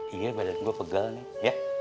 hingga badan gue pegal nih ya